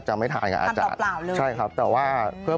ข้างบัวแห่งสันยินดีต้อนรับทุกท่านนะครับ